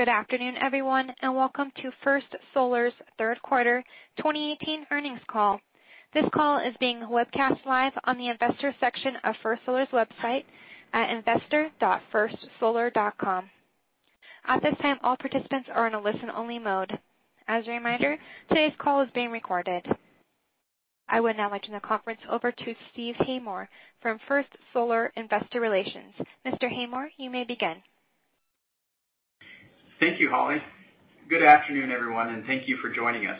Good afternoon, everyone, and welcome to First Solar's third quarter 2018 earnings call. This call is being webcast live on the Investors section of First Solar's website at investor.firstsolar.com. At this time, all participants are in a listen-only mode. As a reminder, today's call is being recorded. I would now like to turn the conference over to Steve Haymore from First Solar Investor Relations. Mr. Haymore, you may begin. Thank you, Holly. Good afternoon, everyone, and thank you for joining us.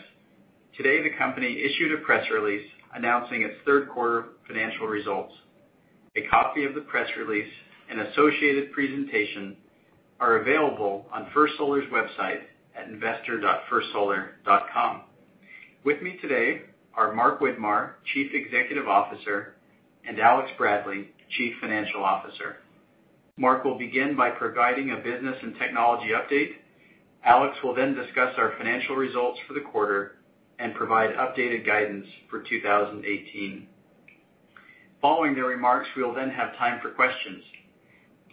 Today, the company issued a press release announcing its third quarter financial results. A copy of the press release and associated presentation are available on First Solar's website at investor.firstsolar.com. With me today are Mark Widmar, Chief Executive Officer, and Alex Bradley, Chief Financial Officer. Mark will begin by providing a business and technology update. Alex will discuss our financial results for the quarter and provide updated guidance for 2018. Following their remarks, we will have time for questions.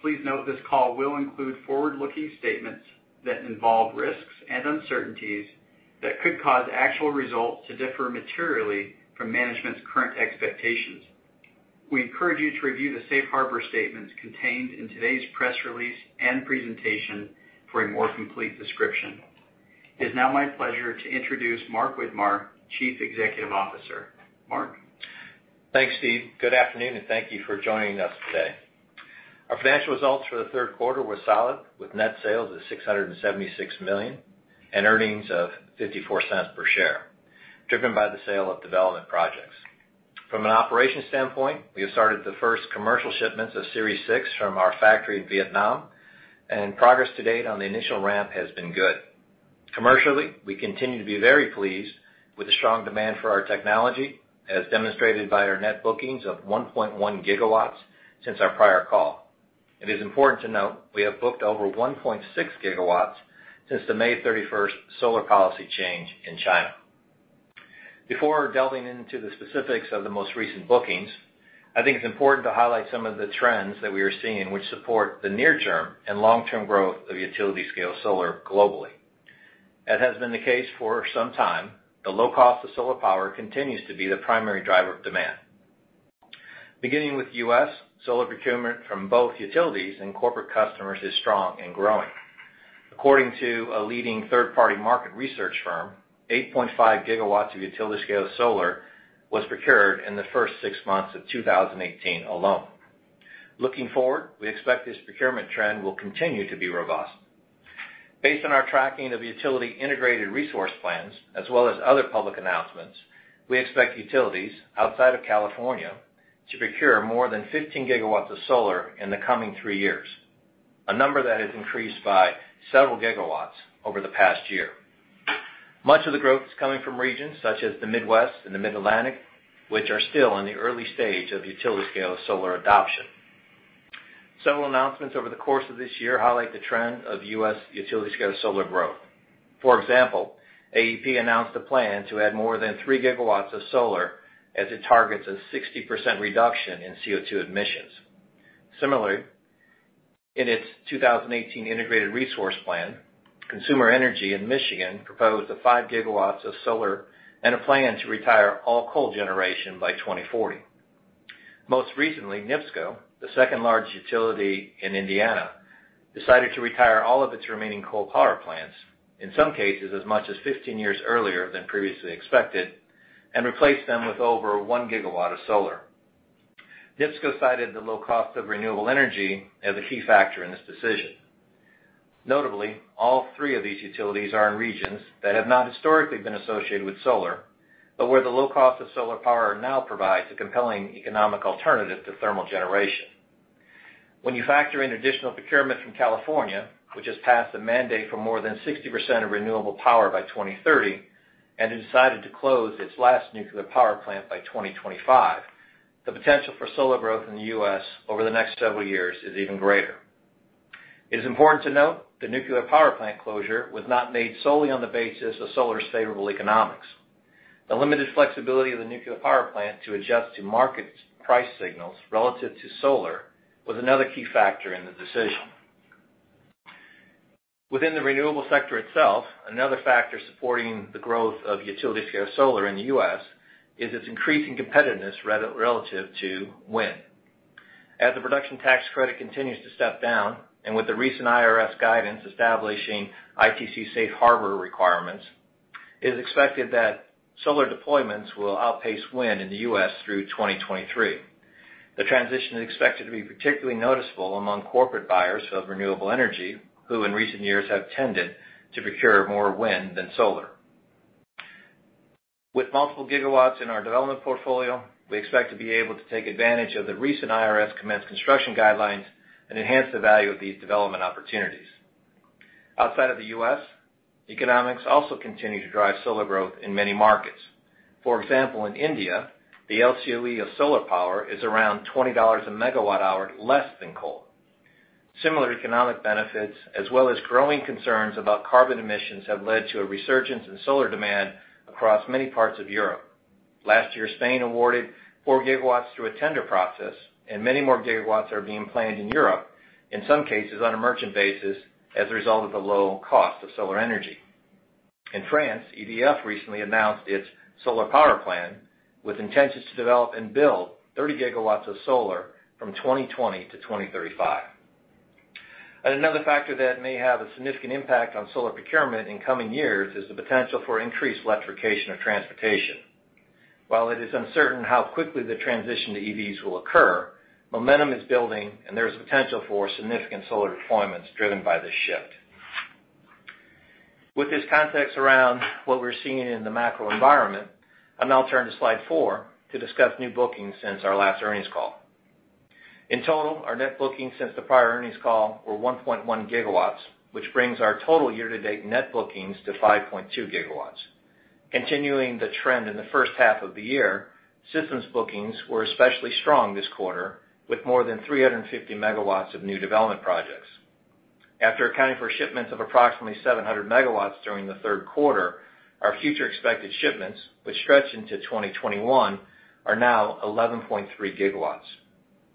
Please note this call will include forward-looking statements that involve risks and uncertainties that could cause actual results to differ materially from management's current expectations. We encourage you to review the safe harbor statements contained in today's press release and presentation for a more complete description. It's now my pleasure to introduce Mark Widmar, Chief Executive Officer. Mark? Thanks, Steve. Good afternoon, and thank you for joining us today. Our financial results for the third quarter were solid, with net sales of $676 million and earnings of $0.54 per share, driven by the sale of development projects. From an operations standpoint, we have started the first commercial shipments of Series 6 from our factory in Vietnam, and progress to date on the initial ramp has been good. Commercially, we continue to be very pleased with the strong demand for our technology, as demonstrated by our net bookings of 1.1 gigawatts since our prior call. It is important to note we have booked over 1.6 gigawatts since the May 31st solar policy change in China. Before delving into the specifics of the most recent bookings, I think it's important to highlight some of the trends that we are seeing which support the near-term and long-term growth of utility-scale solar globally. As has been the case for some time, the low cost of solar power continues to be the primary driver of demand. Beginning with the U.S., solar procurement from both utilities and corporate customers is strong and growing. According to a leading third-party market research firm, 8.5 gigawatts of utility-scale solar was procured in the first six months of 2018 alone. Looking forward, we expect this procurement trend will continue to be robust. Based on our tracking of utility-integrated resource plans, as well as other public announcements, we expect utilities outside of California to procure more than 15 gigawatts of solar in the coming three years, a number that has increased by several gigawatts over the past year. Much of the growth is coming from regions such as the Midwest and the Mid-Atlantic, which are still in the early stage of utility-scale solar adoption. Several announcements over the course of this year highlight the trend of U.S. utility-scale solar growth. For example, AEP announced a plan to add more than three gigawatts of solar as it targets a 60% reduction in CO2 emissions. Similarly, in its 2018 integrated resource plan, Consumers Energy in Michigan proposed five gigawatts of solar and a plan to retire all coal generation by 2040. Most recently, NIPSCO, the second-largest utility in Indiana, decided to retire all of its remaining coal power plants, in some cases as much as 15 years earlier than previously expected, and replace them with over one gigawatt of solar. NIPSCO cited the low cost of renewable energy as a key factor in this decision. Notably, all three of these utilities are in regions that have not historically been associated with solar, but where the low cost of solar power now provides a compelling economic alternative to thermal generation. When you factor in additional procurement from California, which has passed a mandate for more than 60% of renewable power by 2030 and has decided to close its last nuclear power plant by 2025, the potential for solar growth in the U.S. over the next several years is even greater. It is important to note the nuclear power plant closure was not made solely on the basis of solar's favorable economics. The limited flexibility of the nuclear power plant to adjust to market price signals relative to solar was another key factor in the decision. Within the renewable sector itself, another factor supporting the growth of utility-scale solar in the U.S. is its increasing competitiveness relative to wind. As the production tax credit continues to step down, and with the recent IRS guidance establishing ITC safe harbor requirements, it is expected that solar deployments will outpace wind in the U.S. through 2023. The transition is expected to be particularly noticeable among corporate buyers of renewable energy, who in recent years have tended to procure more wind than solar. With multiple gigawatts in our development portfolio, we expect to be able to take advantage of the recent IRS commence construction guidelines and enhance the value of these development opportunities. Outside of the U.S., economics also continue to drive solar growth in many markets. For example, in India, the LCOE of solar power is around $20 a megawatt hour less than coal. Similar economic benefits, as well as growing concerns about carbon emissions, have led to a resurgence in solar demand across many parts of Europe. Last year, Spain awarded four gigawatts through a tender process, and many more gigawatts are being planned in Europe, in some cases on a merchant basis as a result of the low cost of solar energy. In France, EDF recently announced its solar power plan, with intentions to develop and build 30 gigawatts of solar from 2020 to 2035. Another factor that may have a significant impact on solar procurement in coming years is the potential for increased electrification of transportation. While it is uncertain how quickly the transition to EVs will occur, momentum is building, and there is potential for significant solar deployments driven by this shift. With this context around what we're seeing in the macro environment, I'll now turn to slide four to discuss new bookings since our last earnings call. In total, our net bookings since the prior earnings call were 1.1 gigawatts, which brings our total year-to-date net bookings to 5.2 gigawatts. Continuing the trend in the first half of the year, systems bookings were especially strong this quarter, with more than 350 megawatts of new development projects. After accounting for shipments of approximately 700 megawatts during the third quarter, our future expected shipments, which stretch into 2021, are now 11.3 gigawatts.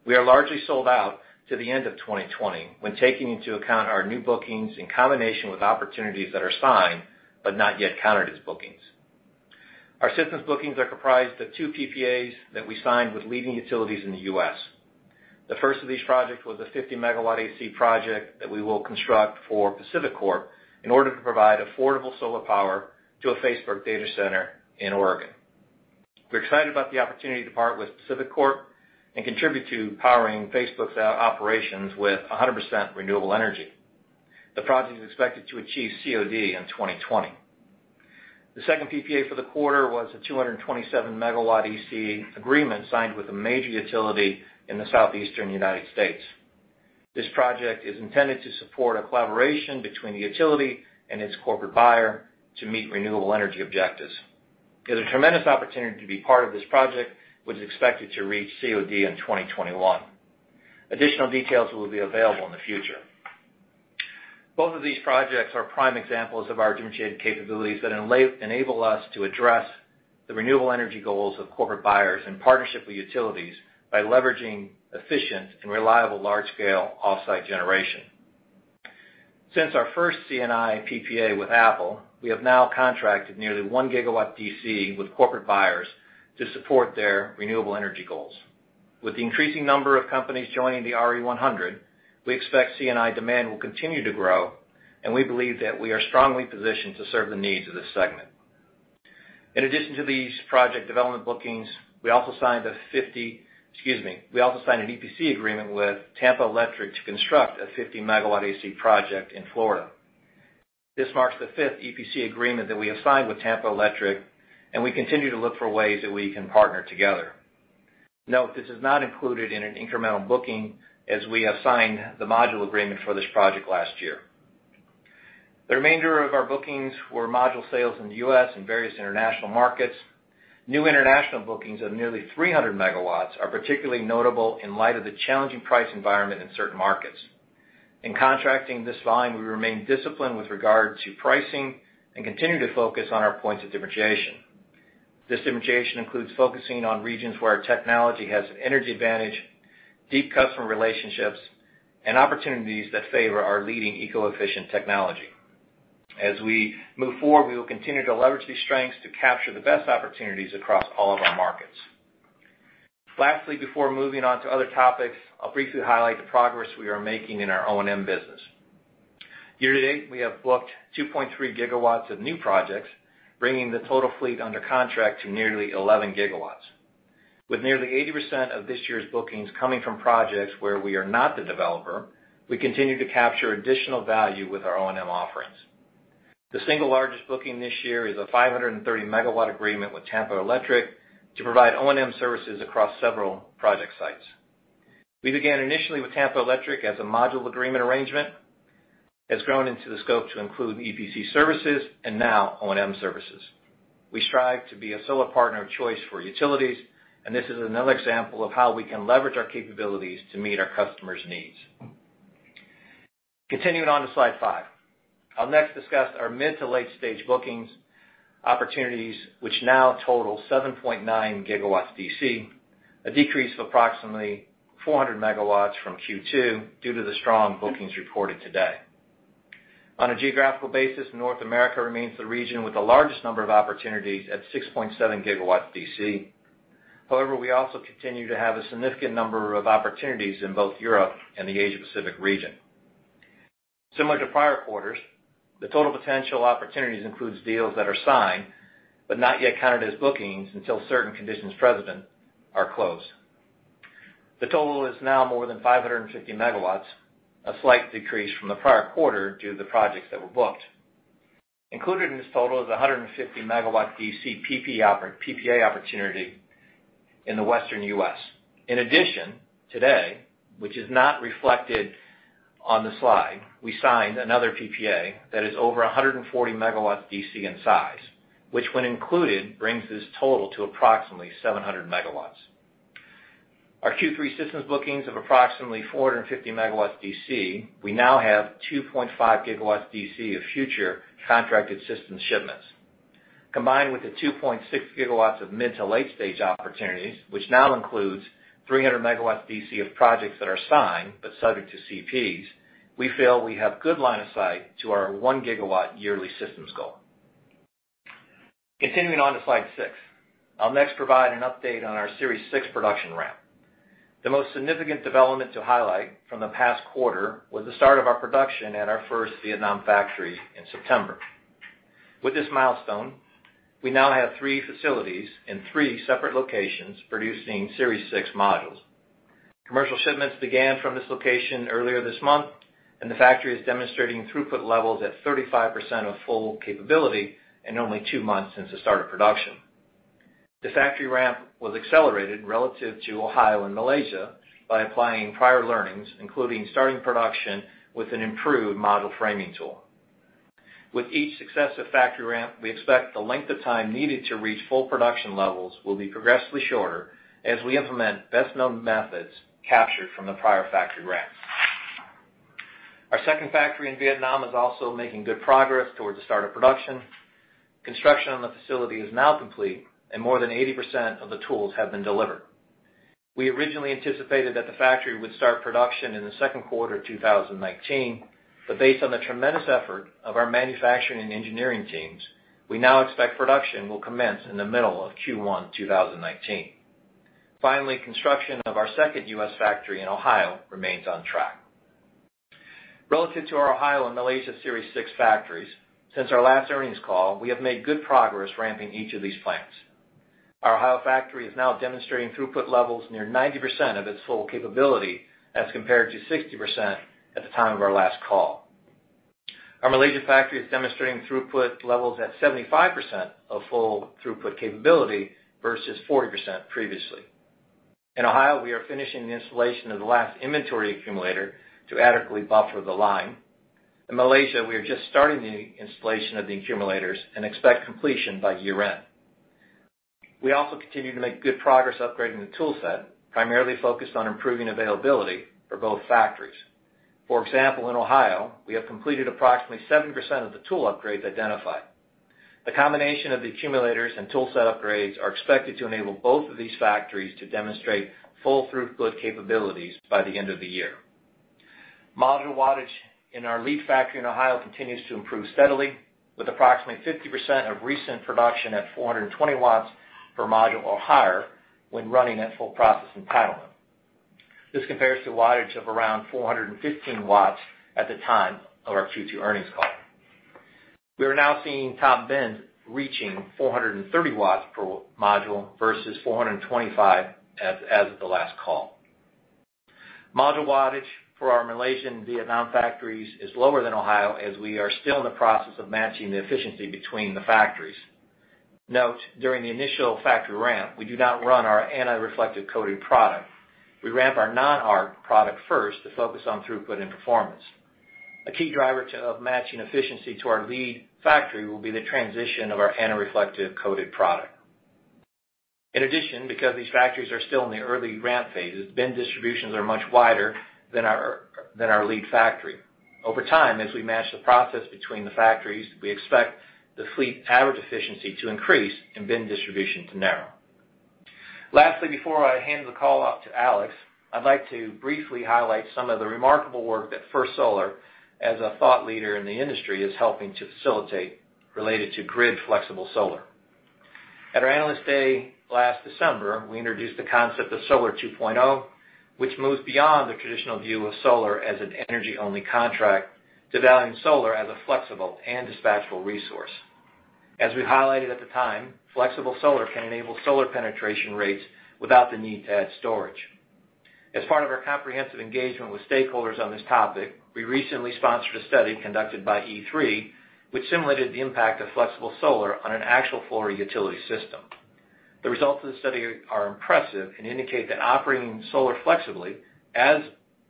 We are largely sold out to the end of 2020 when taking into account our new bookings in combination with opportunities that are signed but not yet counted as bookings. Our systems bookings are comprised of two PPAs that we signed with leading utilities in the U.S. The first of these projects was a 50-megawatt AC project that we will construct for PacifiCorp in order to provide affordable solar power to a Facebook data center in Oregon. We're excited about the opportunity to partner with PacifiCorp and contribute to powering Facebook's operations with 100% renewable energy. The project is expected to achieve COD in 2020. The second PPA for the quarter was a 227-megawatt DC agreement signed with a major utility in the southeastern United States. This project is intended to support a collaboration between the utility and its corporate buyer to meet renewable energy objectives. It is a tremendous opportunity to be part of this project, which is expected to reach COD in 2021. Additional details will be available in the future. Both of these projects are prime examples of our differentiated capabilities that enable us to address the renewable energy goals of corporate buyers in partnership with utilities by leveraging efficient and reliable large-scale off-site generation. Since our first C&I PPA with Apple, we have now contracted nearly 1 gigawatt DC with corporate buyers to support their renewable energy goals. With the increasing number of companies joining the RE100, we expect C&I demand will continue to grow, and we believe that we are strongly positioned to serve the needs of this segment. In addition to these project development bookings, excuse me. We also signed an EPC agreement with Tampa Electric to construct a 50-megawatt AC project in Florida. This marks the fifth EPC agreement that we have signed with Tampa Electric, and we continue to look for ways that we can partner together. Note this is not included in an incremental booking as we have signed the module agreement for this project last year. The remainder of our bookings were module sales in the U.S. and various international markets. New international bookings of nearly 300 megawatts are particularly notable in light of the challenging price environment in certain markets. In contracting this volume, we remain disciplined with regard to pricing and continue to focus on our points of differentiation. This differentiation includes focusing on regions where our technology has an energy advantage, deep customer relationships, and opportunities that favor our leading eco-efficient technology. As we move forward, we will continue to leverage these strengths to capture the best opportunities across all of our markets. Lastly, before moving on to other topics, I'll briefly highlight the progress we are making in our O&M business. Year to date, we have booked 2.3 gigawatts of new projects, bringing the total fleet under contract to nearly 11 gigawatts. With nearly 80% of this year's bookings coming from projects where we are not the developer, we continue to capture additional value with our O&M offerings. The single largest booking this year is a 530-megawatt agreement with Tampa Electric to provide O&M services across several project sites. We began initially with Tampa Electric as a module agreement arrangement. It's grown into the scope to include EPC services and now O&M services. Continuing on to slide five. I'll next discuss our mid to late-stage bookings opportunities, which now total 7.9 gigawatts DC, a decrease of approximately 400 megawatts from Q2 due to the strong bookings reported today. On a geographical basis, North America remains the region with the largest number of opportunities at 6.7 gigawatts DC. However, we also continue to have a significant number of opportunities in both Europe and the Asia Pacific region. Similar to prior quarters, the total potential opportunities includes deals that are signed but not yet counted as bookings until certain conditions precedent are closed. The total is now more than 550 megawatts, a slight decrease from the prior quarter due to the projects that were booked. Included in this total is 150-megawatt DC PPA opportunity in the western U.S. In addition, today, which is not reflected on the slide, we signed another PPA that is over 140 megawatts DC in size, which when included, brings this total to approximately 700 megawatts. Our Q3 systems bookings of approximately 450 megawatts DC, we now have 2.5 gigawatts DC of future contracted systems shipments. Combined with the 2.6 gigawatts of mid to late-stage opportunities, which now includes 300 megawatts DC of projects that are signed but subject to CPs, we feel we have good line of sight to our one gigawatt yearly systems goal. Continuing on to slide six, I'll next provide an update on our Series 6 production ramp. The most significant development to highlight from the past quarter was the start of our production at our first Vietnam factory in September. With this milestone, we now have three facilities in three separate locations producing Series 6 modules. Commercial shipments began from this location earlier this month, and the factory is demonstrating throughput levels at 35% of full capability in only two months since the start of production. The factory ramp was accelerated relative to Ohio and Malaysia by applying prior learnings, including starting production with an improved module framing tool. With each successive factory ramp, we expect the length of time needed to reach full production levels will be progressively shorter as we implement best known methods captured from the prior factory ramps. Our second factory in Vietnam is also making good progress towards the start of production. Construction on the facility is now complete and more than 80% of the tools have been delivered. We originally anticipated that the factory would start production in the second quarter of 2019, but based on the tremendous effort of our manufacturing and engineering teams, we now expect production will commence in the middle of Q1 2019. Finally, construction of our second U.S. factory in Ohio remains on track. Relative to our Ohio and Malaysia Series 6 factories, since our last earnings call, we have made good progress ramping each of these plants. Our Ohio factory is now demonstrating throughput levels near 90% of its full capability as compared to 60% at the time of our last call. Our Malaysian factory is demonstrating throughput levels at 75% of full throughput capability versus 40% previously. In Ohio, we are finishing the installation of the last inventory accumulator to adequately buffer the line. In Malaysia, we are just starting the installation of the accumulators and expect completion by year-end. We also continue to make good progress upgrading the tool set, primarily focused on improving availability for both factories. For example, in Ohio, we have completed approximately 70% of the tool upgrades identified. The combination of the accumulators and tool set upgrades are expected to enable both of these factories to demonstrate full throughput capabilities by the end of the year. Module wattage in our lead factory in Ohio continues to improve steadily, with approximately 50% of recent production at 420 watts per module or higher when running at full process entitlement. This compares to wattage of around 415 watts at the time of our Q2 earnings call. We are now seeing top bins reaching 430 watts per module versus 425 as of the last call. Module wattage for our Malaysian and Vietnam factories is lower than Ohio as we are still in the process of matching the efficiency between the factories. Note, during the initial factory ramp, we do not run our anti-reflective coated product. We ramp our non-ARC product first to focus on throughput and performance. A key driver of matching efficiency to our lead factory will be the transition of our anti-reflective coated product. In addition, because these factories are still in the early ramp phases, bin distributions are much wider than our lead factory. Over time, as we match the process between the factories, we expect the fleet average efficiency to increase and bin distribution to narrow. Lastly, before I hand the call off to Alex, I'd like to briefly highlight some of the remarkable work that First Solar, as a thought leader in the industry, is helping to facilitate related to grid flexible solar. At our Analyst Day last December, we introduced the concept of Solar 2.0, which moves beyond the traditional view of solar as an energy-only contract to valuing solar as a flexible and dispatchable resource. As we highlighted at the time, flexible solar can enable solar penetration rates without the need to add storage. As part of our comprehensive engagement with stakeholders on this topic, we recently sponsored a study conducted by E3, which simulated the impact of flexible solar on an actual Florida utility system. The results of the study are impressive and indicate that operating solar flexibly as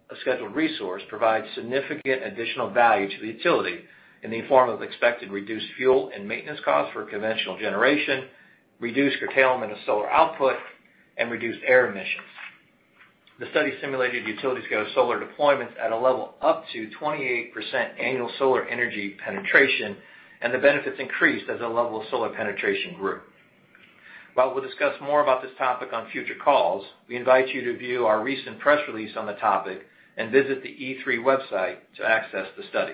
a scheduled resource provides significant additional value to the utility in the form of expected reduced fuel and maintenance costs for conventional generation, reduced curtailment of solar output, and reduced air emissions. The study simulated utility-scale solar deployments at a level up to 28% annual solar energy penetration, and the benefits increased as the level of solar penetration grew. While we'll discuss more about this topic on future calls, we invite you to view our recent press release on the topic and visit the E3 website to access the study.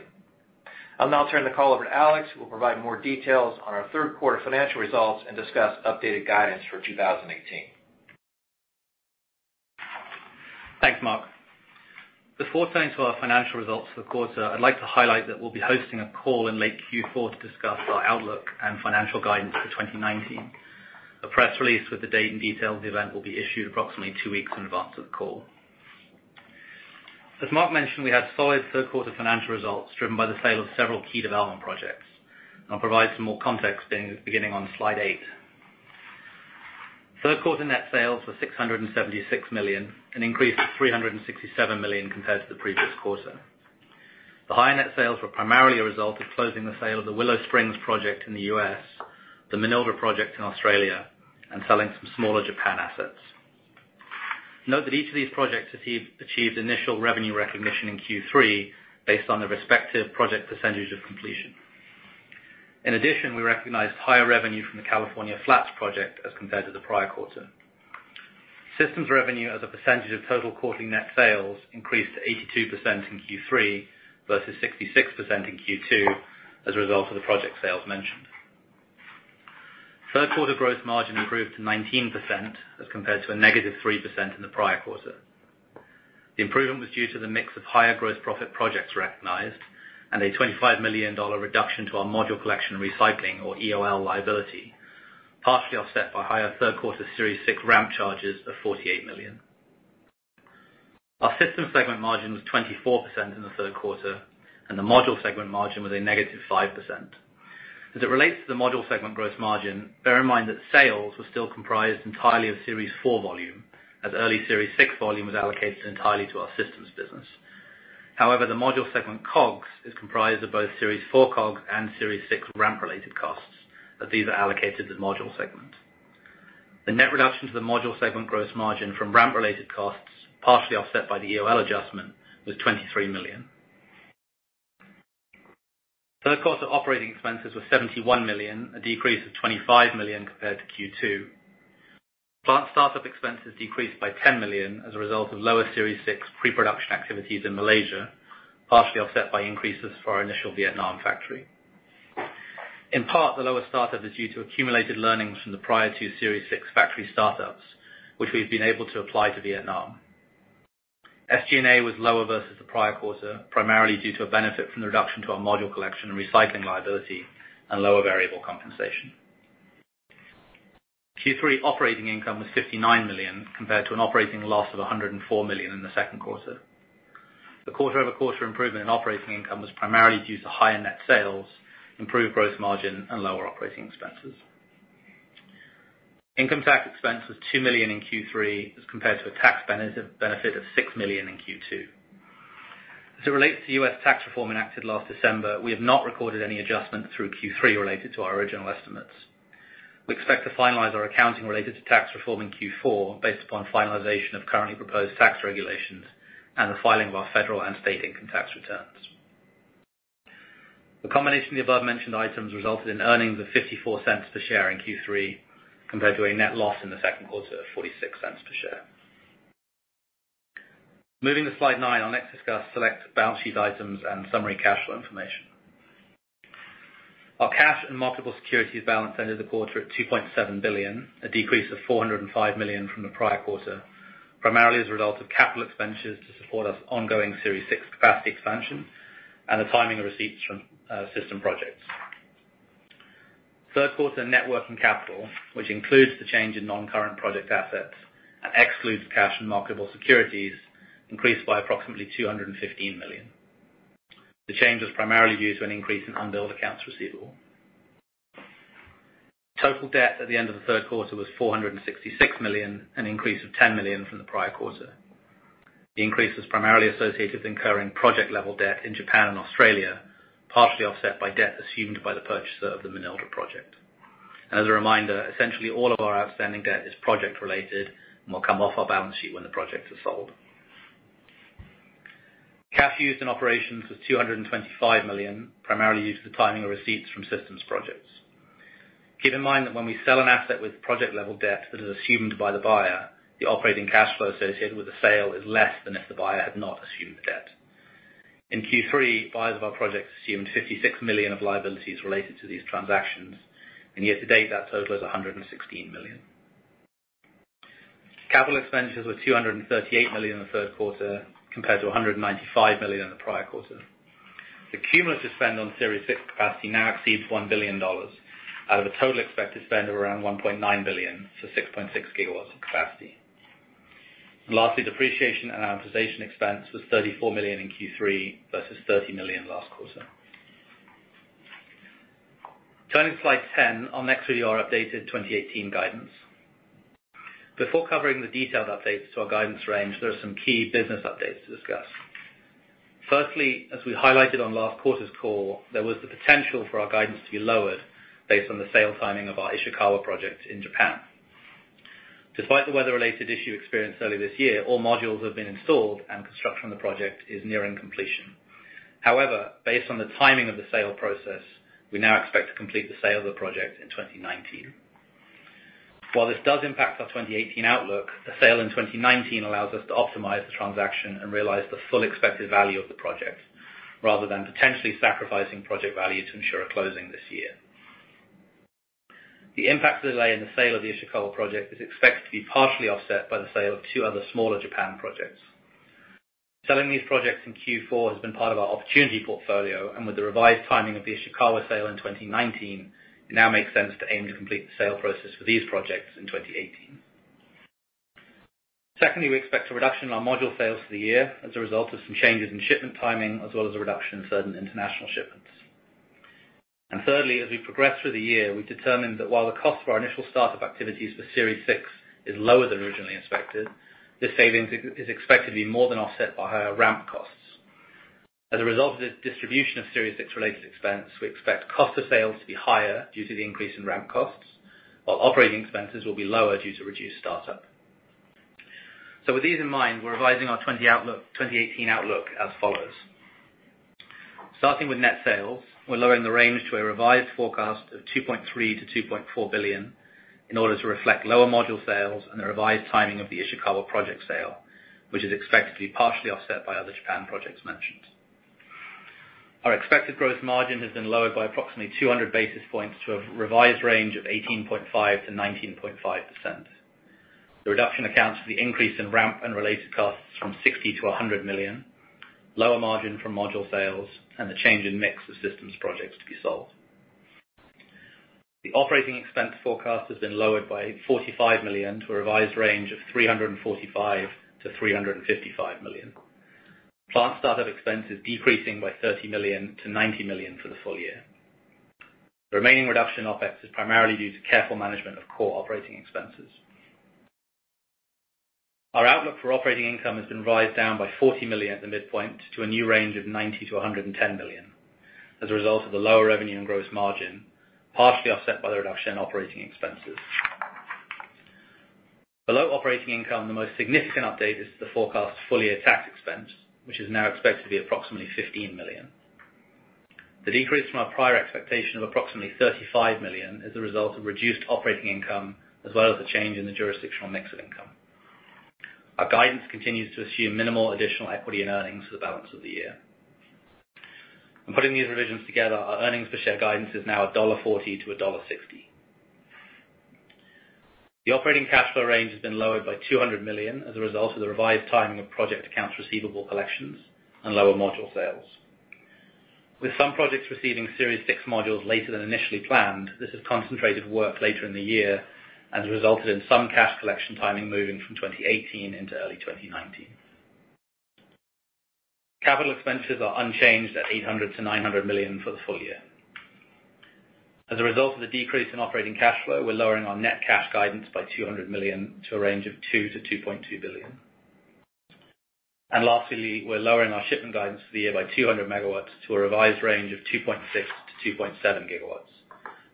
I'll now turn the call over to Alex, who will provide more details on our third quarter financial results and discuss updated guidance for 2018. Thanks, Mark. Before turning to our financial results for the quarter, I'd like to highlight that we'll be hosting a call in late Q4 to discuss our outlook and financial guidance for 2019. A press release with the date and details of the event will be issued approximately two weeks in advance of the call. As Mark mentioned, we had solid third quarter financial results driven by the sale of several key development projects. I'll provide some more context beginning on slide eight. Third quarter net sales were $676 million, an increase of $367 million compared to the previous quarter. The higher net sales were primarily a result of closing the sale of the Willow Springs project in the U.S., the Manildra project in Australia, and selling some smaller Japan assets. Note that each of these projects achieved initial revenue recognition in Q3 based on the respective project percentage of completion. In addition, we recognized higher revenue from the California Flats Project as compared to the prior quarter. Systems revenue as a percentage of total quarterly net sales increased to 82% in Q3 versus 66% in Q2 as a result of the project sales mentioned. Third quarter gross margin improved to 19% as compared to a -3% in the prior quarter. The improvement was due to the mix of higher gross profit projects recognized and a $25 million reduction to our module collection and recycling or EOL liability, partially offset by higher third quarter Series 6 ramp charges of $48 million. Our systems segment margin was 24% in the third quarter, and the module segment margin was a -5%. As it relates to the module segment gross margin, bear in mind that sales were still comprised entirely of Series 4 volume, as early Series 6 volume was allocated entirely to our systems business. However, the module segment COGS is comprised of both Series 4 COGS and Series 6 ramp-related costs, as these are allocated to the module segment. The net reduction to the module segment gross margin from ramp-related costs, partially offset by the EOL adjustment, was $23 million. Third quarter operating expenses were $71 million, a decrease of $25 million compared to Q2. Plant startup expenses decreased by $10 million as a result of lower Series 6 pre-production activities in Malaysia, partially offset by increases for our initial Vietnam factory. In part, the lower startup is due to accumulated learnings from the prior two Series 6 factory startups, which we've been able to apply to Vietnam. SG&A was lower versus the prior quarter, primarily due to a benefit from the reduction to our module collection and recycling liability and lower variable compensation. Q3 operating income was $59 million compared to an operating loss of $104 million in the second quarter. The quarter-over-quarter improvement in operating income was primarily due to higher net sales, improved gross margin, and lower operating expenses. Income tax expense was $2 million in Q3 as compared to a tax benefit of $6 million in Q2. As it relates to U.S. tax reform enacted last December, we have not recorded any adjustment through Q3 related to our original estimates. We expect to finalize our accounting related to tax reform in Q4 based upon finalization of currently proposed tax regulations and the filing of our federal and state income tax returns. The combination of the above-mentioned items resulted in earnings of $0.54 per share in Q3 compared to a net loss in the second quarter of $0.46 per share. Moving to slide nine. I'll next discuss select balance sheet items and summary cash flow information. Our cash and marketable securities balance ended the quarter at $2.7 billion, a decrease of $405 million from the prior quarter, primarily as a result of capital expenditures to support our ongoing Series 6 capacity expansion and the timing of receipts from system projects. Third quarter net working capital, which includes the change in non-current project assets and excludes cash and marketable securities, increased by approximately $215 million. The change was primarily due to an increase in unbilled accounts receivable. Total debt at the end of the third quarter was $466 million, an increase of $10 million from the prior quarter. The increase is primarily associated with incurring project-level debt in Japan and Australia, partially offset by debt assumed by the purchaser of the Manildra project. As a reminder, essentially all of our outstanding debt is project-related and will come off our balance sheet when the projects are sold. Cash used in operations was $225 million, primarily due to the timing of receipts from systems projects. Keep in mind that when we sell an asset with project-level debt that is assumed by the buyer, the operating cash flow associated with the sale is less than if the buyer had not assumed the debt. In Q3, buyers of our projects assumed $56 million of liabilities related to these transactions. In year-to-date, that total is $116 million. Capital expenditures were $238 million in the third quarter compared to $195 million in the prior quarter. The cumulative spend on Series 6 capacity now exceeds $1 billion out of a total expected spend of around $1.9 billion, so 6.6 gigawatts of capacity. Lastly, depreciation and amortization expense was $34 million in Q3 versus $30 million last quarter. Turning to slide 10 on next to our updated 2018 guidance. Before covering the detailed updates to our guidance range, there are some key business updates to discuss. Firstly, as we highlighted on last quarter's call, there was the potential for our guidance to be lowered based on the sale timing of our Ishikawa project in Japan. Despite the weather-related issue experienced early this year, all modules have been installed and construction on the project is nearing completion. However, based on the timing of the sale process, we now expect to complete the sale of the project in 2019. While this does impact our 2018 outlook, the sale in 2019 allows us to optimize the transaction and realize the full expected value of the project rather than potentially sacrificing project value to ensure a closing this year. The impact of the delay in the sale of the Ishikawa project is expected to be partially offset by the sale of two other smaller Japan projects. Selling these projects in Q4 has been part of our opportunity portfolio, and with the revised timing of the Ishikawa sale in 2019, it now makes sense to aim to complete the sale process for these projects in 2018. Secondly, we expect a reduction in our module sales for the year as a result of some changes in shipment timing, as well as a reduction in certain international shipments. Thirdly, as we progress through the year, we've determined that while the cost for our initial startup activities for Series 6 is lower than originally expected, this savings is expected to be more than offset by higher ramp costs. As a result of the distribution of Series 6 related expense, we expect cost of sales to be higher due to the increase in ramp costs, while operating expenses will be lower due to reduced startup. With these in mind, we're revising our 2018 outlook as follows. Starting with net sales, we're lowering the range to a revised forecast of $2.3 billion-$2.4 billion in order to reflect lower module sales and a revised timing of the Ishikawa project sale, which is expected to be partially offset by other Japan projects mentioned. Our expected gross margin has been lowered by approximately 200 basis points to a revised range of 18.5%-19.5%. The reduction accounts for the increase in ramp and related costs from $60 million-$100 million, lower margin from module sales, and the change in mix of systems projects to be sold. The operating expense forecast has been lowered by $45 million to a revised range of $345 million-$355 million. Plant startup expense is decreasing by $30 million to $90 million for the full year. The remaining reduction in OpEx is primarily due to careful management of core operating expenses. Our outlook for operating income has been revised down by $40 million at the midpoint to a new range of $90 million to $110 million as a result of the lower revenue and gross margin, partially offset by the reduction in operating expenses. Below operating income, the most significant update is the forecast full-year tax expense, which is now expected to be approximately $15 million. The decrease from our prior expectation of approximately $35 million is a result of reduced operating income, as well as a change in the jurisdictional mix of income. Our guidance continues to assume minimal additional equity and earnings for the balance of the year. Putting these revisions together, our earnings per share guidance is now $1.40 to $1.60. The operating cash flow range has been lowered by $200 million as a result of the revised timing of project accounts receivable collections and lower module sales. With some projects receiving Series 6 modules later than initially planned, this has concentrated work later in the year and has resulted in some cash collection timing moving from 2018 into early 2019. Capital expenses are unchanged at $800 million to $900 million for the full year. As a result of the decrease in operating cash flow, we're lowering our net cash guidance by $200 million to a range of $2 billion to $2.2 billion. Lastly, we're lowering our shipment guidance for the year by 200 MW to a revised range of 2.6 GW to 2.7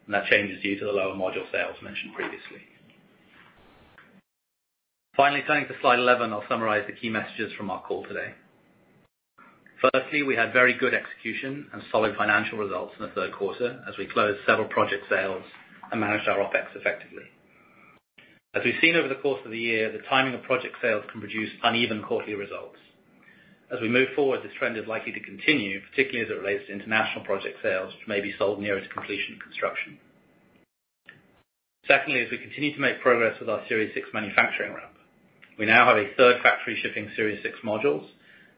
GW, that change is due to the lower module sales mentioned previously. Finally, turning to slide 11, I'll summarize the key messages from our call today. Firstly, we had very good execution and solid financial results in the third quarter as we closed several project sales and managed our OpEx effectively. As we've seen over the course of the year, the timing of project sales can produce uneven quarterly results. As we move forward, this trend is likely to continue, particularly as it relates to international project sales, which may be sold nearer to completion of construction. Secondly, as we continue to make progress with our Series 6 manufacturing ramp, we now have a third factory shipping Series 6 modules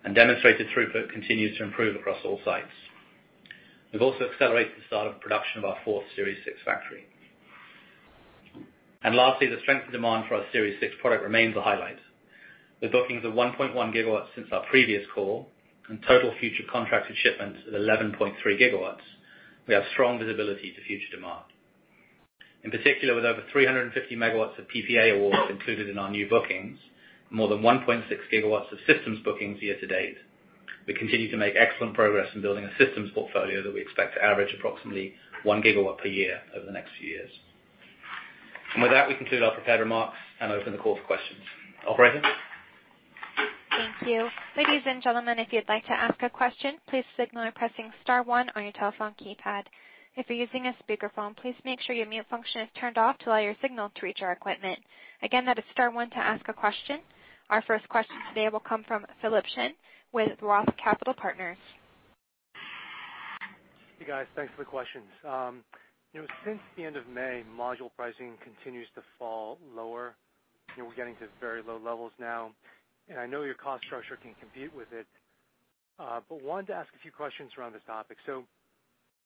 and demonstrated throughput continues to improve across all sites. We've also accelerated the start of production of our fourth Series 6 factory. Lastly, the strength of demand for our Series 6 product remains a highlight. With bookings of 1.1 GW since our previous call and total future contracted shipments at 11.3 GW, we have strong visibility to future demand. In particular, with over 350 MW of PPA awards included in our new bookings, more than 1.6 GW of systems bookings year-to-date, we continue to make excellent progress in building a systems portfolio that we expect to average approximately 1 GW per year over the next few years. With that, we conclude our prepared remarks and open the call for questions. Operator? Thank you. Ladies and gentlemen, if you'd like to ask a question, please signal by pressing *1 on your telephone keypad. If you're using a speakerphone, please make sure your mute function is turned off to allow your signal to reach our equipment. Again, that is *1 to ask a question. Our first question today will come from Philip Shen with Roth Capital Partners. Hey, guys. Thanks for the questions. Since the end of May, module pricing continues to fall lower. We're getting to very low levels now, and I know your cost structure can compete with it. Wanted to ask a few questions around this topic.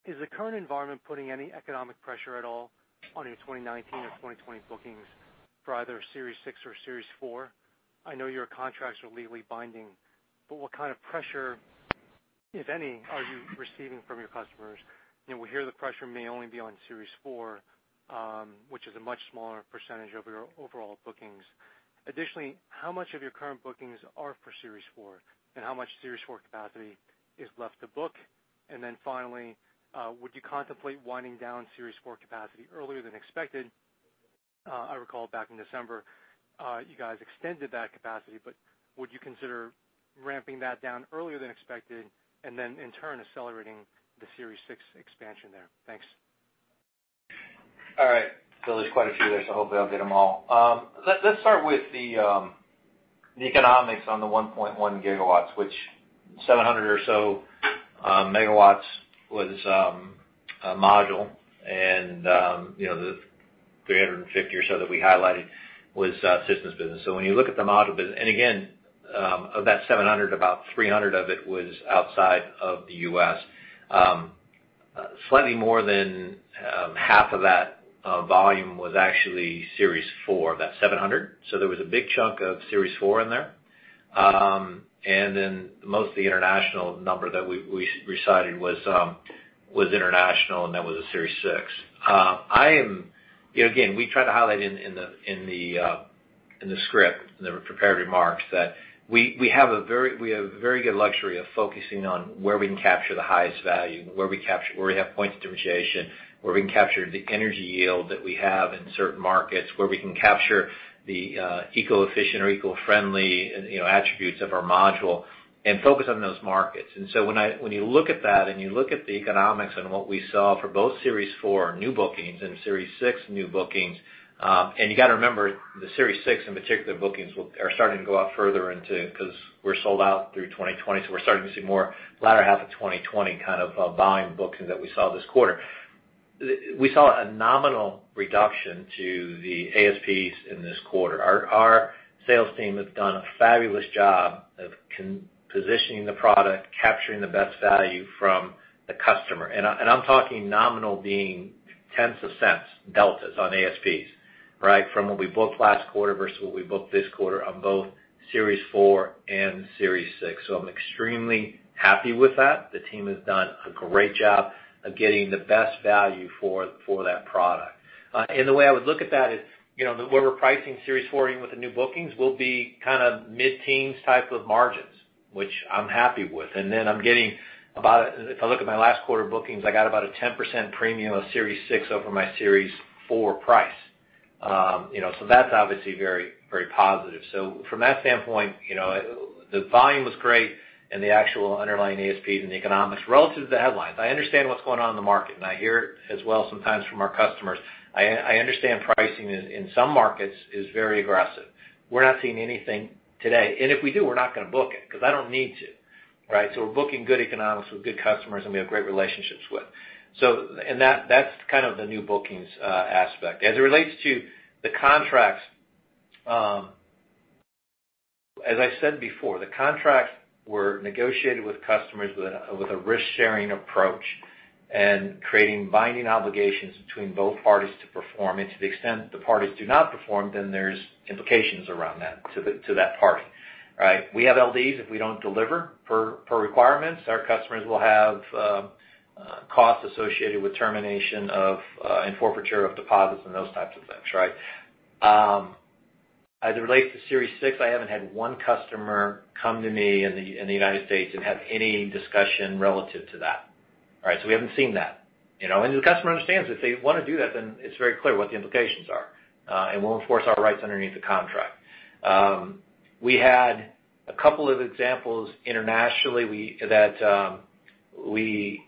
Is the current environment putting any economic pressure at all on your 2019 or 2020 bookings for either Series 6 or Series 4? I know your contracts are legally binding, but what kind of pressure, if any, are you receiving from your customers? We hear the pressure may only be on Series 4, which is a much smaller % of your overall bookings. Additionally, how much of your current bookings are for Series 4, and how much Series 4 capacity is left to book? Finally, would you contemplate winding down Series 4 capacity earlier than expected? I recall back in December, you guys extended that capacity, but would you consider ramping that down earlier than expected and then in turn accelerating the Series 6 expansion there? Thanks. All right. Phil, there's quite a few there, so hopefully I'll get them all. Let's start with the economics on the 1.1 gigawatts, which 700 or so megawatts was module, and the 350 or so that we highlighted was systems business. When you look at the module business-- And again, of that 700, about 300 of it was outside of the U.S. Slightly more than half of that volume was actually Series 4, of that 700. There was a big chunk of Series 4 in there. Most of the international number that we recited was international, and that was a Series 6. We tried to highlight in the script, in the prepared remarks, that we have the very good luxury of focusing on where we can capture the highest value, where we have point differentiation, where we can capture the energy yield that we have in certain markets, where we can capture the eco-efficient or eco-friendly attributes of our module and focus on those markets. When you look at that and you look at the economics and what we saw for both Series 4 new bookings and Series 6 new bookings, you got to remember, the Series 6, in particular, bookings are starting to go out further into because we're sold out through 2020, so we're starting to see more latter half of 2020 volume bookings that we saw this quarter. We saw a nominal reduction to the ASPs in this quarter. Our sales team has done a fabulous job of positioning the product, capturing the best value from the customer. I'm talking nominal being $0.001 deltas on ASPs. From what we booked last quarter versus what we booked this quarter on both Series 4 and Series 6. I'm extremely happy with that. The team has done a great job of getting the best value for that product. The way I would look at that is where we're pricing Series 4, even with the new bookings, will be mid-teens type of margins, which I'm happy with. I'm getting about If I look at my last quarter bookings, I got about a 10% premium of Series 6 over my Series 4 price. That's obviously very positive. From that standpoint, the volume was great and the actual underlying ASP and the economics relative to the headlines. I understand what's going on in the market, and I hear it as well sometimes from our customers. I understand pricing in some markets is very aggressive. We're not seeing anything today. If we do, we're not going to book it because I don't need to. We're booking good economics with good customers, and we have great relationships with. That's the new bookings aspect. As it relates to the contracts, as I said before, the contracts were negotiated with customers with a risk-sharing approach and creating binding obligations between both parties to perform. To the extent the parties do not perform, then there's implications around that to that party. We have LDs if we don't deliver per requirements. Our customers will have costs associated with termination of and forfeiture of deposits and those types of things. As it relates to Series 6, I haven't had one customer come to me in the United States and have any discussion relative to that. We haven't seen that. The customer understands if they want to do that, then it's very clear what the implications are. We'll enforce our rights underneath the contract. We had a couple of examples internationally that we,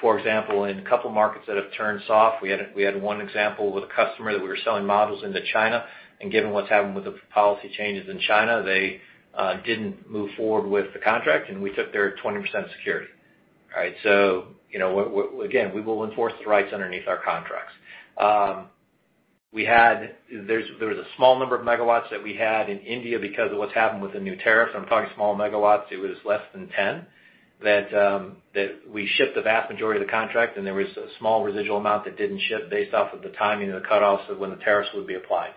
for example, in a couple markets that have turned soft, we had one example with a customer that we were selling modules into China. Given what's happened with the policy changes in China, they didn't move forward with the contract, and we took their 20% security. Again, we will enforce the rights underneath our contracts. There was a small number of megawatts that we had in India because of what's happened with the new tariffs. I'm talking small megawatts. It was less than 10 that we shipped the vast majority of the contract, and there was a small residual amount that didn't ship based off of the timing of the cutoffs of when the tariffs would be applied.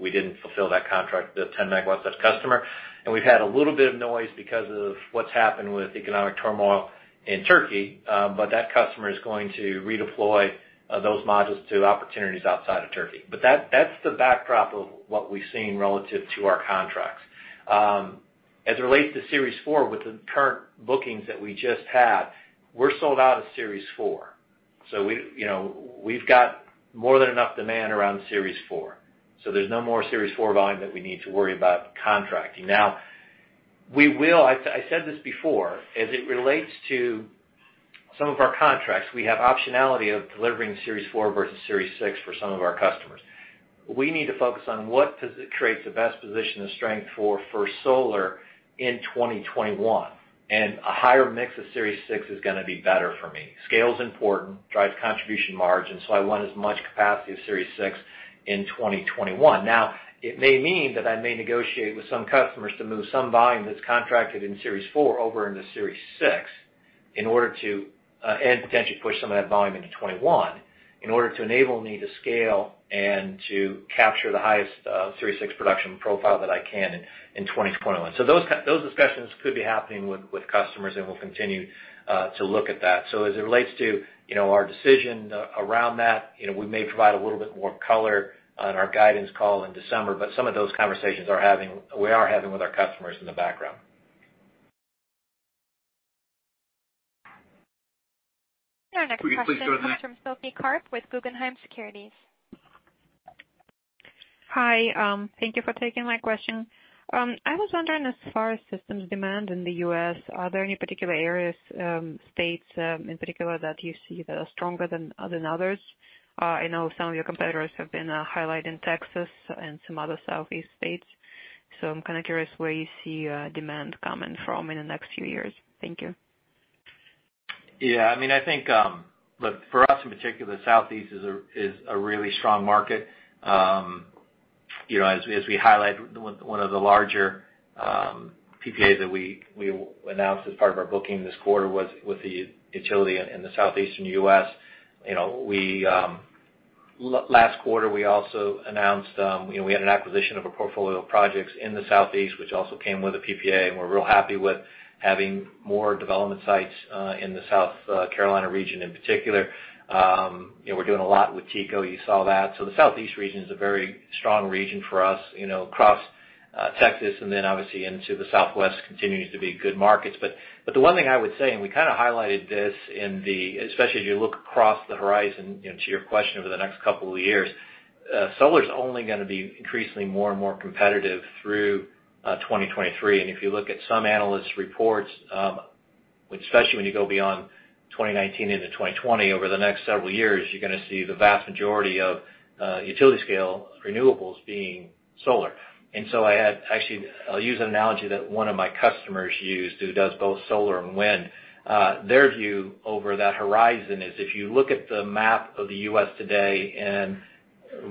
We didn't fulfill that contract, the 10 megawatts, that customer. We've had a little bit of noise because of what's happened with economic turmoil in Turkey. That customer is going to redeploy those modules to opportunities outside of Turkey. That's the backdrop of what we've seen relative to our contracts. As it relates to Series 4 with the current bookings that we just had, we're sold out of Series 4. We've got more than enough demand around Series 4. There's no more Series 4 volume that we need to worry about contracting. Now, I said this before, as it relates to some of our contracts, we have optionality of delivering Series 4 versus Series 6 for some of our customers. We need to focus on what creates the best position of strength for solar in 2021. A higher mix of Series 6 is going to be better for me. Scale is important, drives contribution margin, I want as much capacity of Series 6 in 2021. Now, it may mean that I may negotiate with some customers to move some volume that's contracted in Series 4 over into Series 6 and potentially push some of that volume into 2021 in order to enable me to scale and to capture the highest Series 6 production profile that I can in 2021. Those discussions could be happening with customers, and we'll continue to look at that. As it relates to our decision around that, we may provide a little bit more color on our guidance call in December, but some of those conversations we are having with our customers in the background. Our next question comes from Sophie Karp with Guggenheim Securities. Please go ahead. Hi. Thank you for taking my question. I was wondering as far as systems demand in the U.S., are there any particular areas, states in particular that you see that are stronger than others? I know some of your competitors have been highlighting Texas and some other Southeast states. I'm kind of curious where you see demand coming from in the next few years. Thank you. I think for us in particular, the Southeast is a really strong market. As we highlighted, one of the larger PPAs that we announced as part of our booking this quarter was with the utility in the Southeastern U.S. Last quarter, we also announced we had an acquisition of a portfolio of projects in the Southeast, which also came with a PPA, and we're real happy with having more development sites in the South Carolina region in particular. We're doing a lot with TECO, you saw that. The Southeast region is a very strong region for us, across Texas and then obviously into the Southwest, continues to be good markets. The one thing I would say, and we kind of highlighted this, especially as you look across the horizon, to your question, over the next couple of years, solar is only going to be increasingly more and more competitive through 2023. If you look at some analysts' reports, especially when you go beyond 2019 into 2020, over the next several years, you're going to see the vast majority of utility-scale renewables being solar. I'll use an analogy that one of my customers used, who does both solar and wind. Their view over that horizon is if you look at the map of the U.S. today and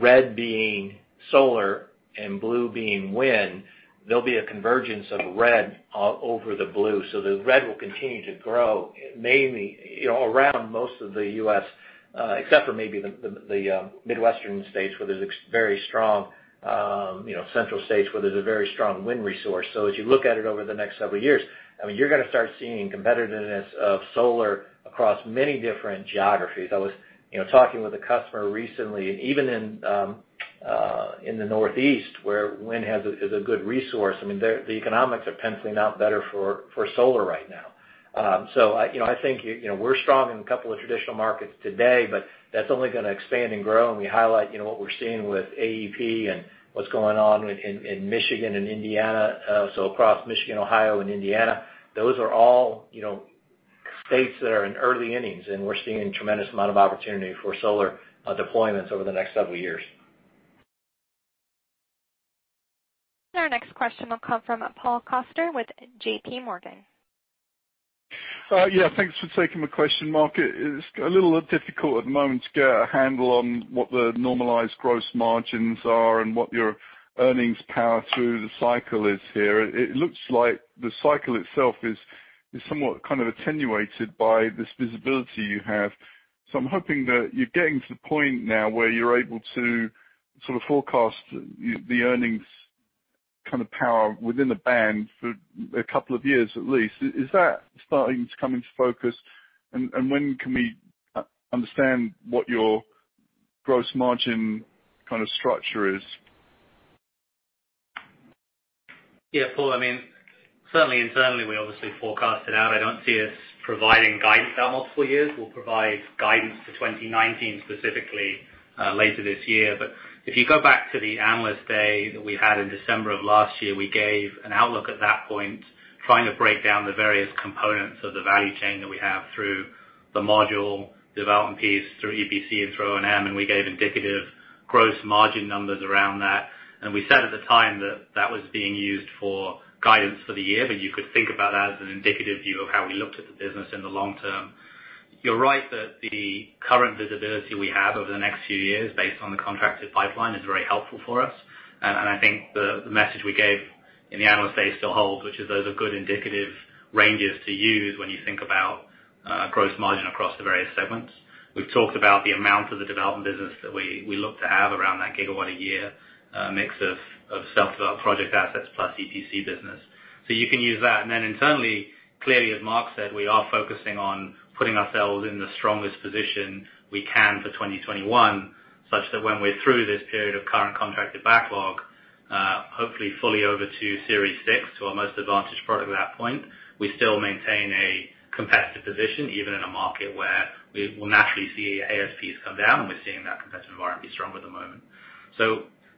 red being solar and blue being wind, there'll be a convergence of red over the blue. The red will continue to grow around most of the U.S., except for maybe the Midwestern states where there's a very strong central states where there's a very strong wind resource. As you look at it over the next several years, you're going to start seeing competitiveness of solar across many different geographies. I was talking with a customer recently, and even in the Northeast, where wind is a good resource, the economics are penciling out better for solar right now. I think we're strong in a couple of traditional markets today, but that's only going to expand and grow, and we highlight what we're seeing with AEP and what's going on in Michigan and Indiana. Across Michigan, Ohio, and Indiana, those are all states that are in early innings, and we're seeing a tremendous amount of opportunity for solar deployments over the next several years. Our next question will come from Paul Coster with J.P. Morgan. Yeah. Thanks for taking my question, Mark. It's a little difficult at the moment to get a handle on what the normalized gross margins are and what your earnings power through the cycle is here. It looks like the cycle itself is somewhat kind of attenuated by this visibility you have. I'm hoping that you're getting to the point now where you're able to sort of forecast the earnings kind of power within the band for a couple of years at least. Is that starting to come into focus, and when can we understand what your gross margin kind of structure is? Yeah, Paul, certainly internally, we obviously forecast it out. I don't see us providing guidance there multiple years. We'll provide guidance for 2019 specifically later this year. If you go back to the Analyst Day that we had in December of last year, we gave an outlook at that point, trying to break down the various components of the value chain that we have through the module development piece, through EPC and through O&M, and we gave indicative gross margin numbers around that. We said at the time that that was being used for guidance for the year, but you could think about that as an indicative view of how we looked at the business in the long term. You're right that the current visibility we have over the next few years, based on the contracted pipeline, is very helpful for us. I think the message we gave in the Analyst Day still holds, which is those are good indicative ranges to use when you think about gross margin across the various segments. We've talked about the amount of the development business that we look to have around that gigawatt a year, a mix of self-developed project assets plus EPC business. You can use that. Then internally, clearly, as Mark said, we are focusing on putting ourselves in the strongest position we can for 2021, such that when we're through this period of current contracted backlog, hopefully fully over to Series 6, to our most advantaged product at that point, we still maintain a competitive position, even in a market where we will naturally see ASPs come down, and we're seeing that competitive environment be stronger at the moment.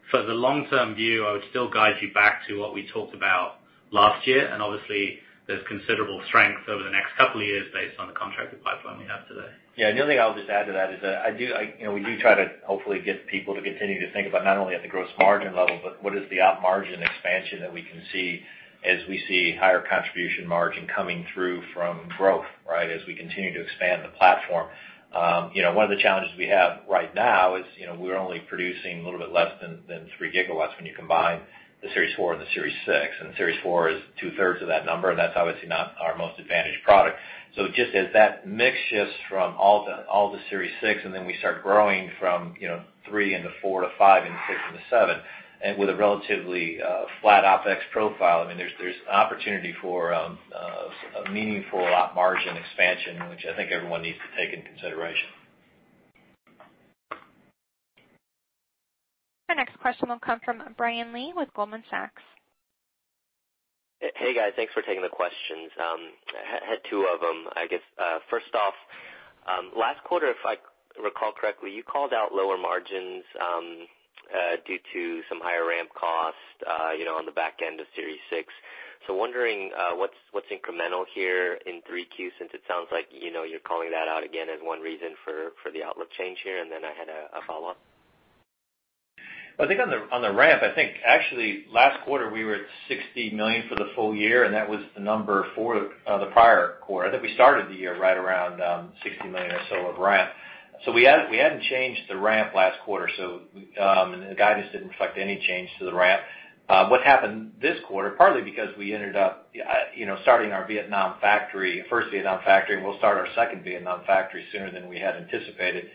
For the long-term view, I would still guide you back to what we talked about last year, and obviously there's considerable strength over the next couple of years based on the contracted pipeline we have today. Yeah, the only thing I'll just add to that is that we do try to hopefully get people to continue to think about not only at the gross margin level, but what is the op margin expansion that we can see as we see higher contribution margin coming through from growth, right, as we continue to expand the platform. One of the challenges we have right now is we're only producing a little bit less than three gigawatts when you combine the Series 4 and the Series 6. Series 4 is two-thirds of that number, and that's obviously not our most advantaged product. Just as that mix shifts from all the Series 6 and then we start growing from three into four to five and six into seven, and with a relatively flat OpEx profile, there's an opportunity for a meaningful op margin expansion, which I think everyone needs to take into consideration. Our next question will come from Brian Lee with Goldman Sachs. Hey, guys. Thanks for taking the questions. I had two of them. I guess, first off, last quarter, if I recall correctly, you called out lower margins due to some higher ramp costs on the back end of Series 6. Wondering what's incremental here in 3Q, since it sounds like you're calling that out again as one reason for the outlook change here. Then I had a follow-up. I think on the ramp, I think actually last quarter, we were at $60 million for the full year, that was the number for the prior quarter. I think we started the year right around $60 million or so of ramp. We hadn't changed the ramp last quarter, so the guidance didn't reflect any change to the ramp. What happened this quarter, partly because we ended up starting our first Vietnam factory, we'll start our second Vietnam factory sooner than we had anticipated,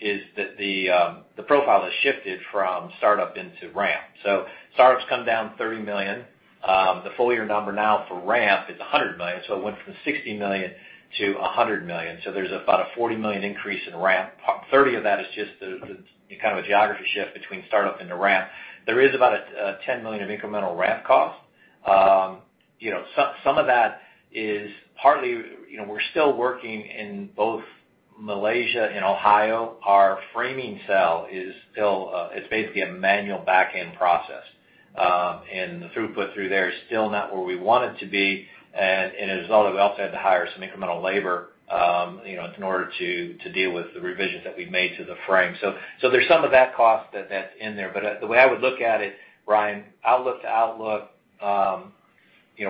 is that the profile has shifted from start-up into ramp. Start-up's come down $30 million. The full year number now for ramp is $100 million. It went from $60 million to $100 million. There's about a $40 million increase in ramp. 30 of that is just the geography shift between start-up into ramp. There is about a $10 million of incremental ramp cost. Some of that is partly, we're still working in both Malaysia and Ohio. Our framing cell is basically a manual back-end process. The throughput through there is still not where we want it to be. As a result, we also had to hire some incremental labor in order to deal with the revisions that we've made to the frame. There's some of that cost that's in there. The way I would look at it, Brian, outlook to outlook